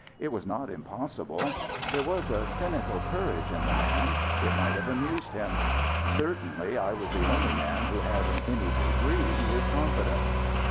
It was not impossible. There was a cynical courage in the man; it might have amused him. Certainly I was the only man who had in any degree his confidence.